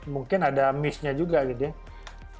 mungkin ada missnya juga gitu ya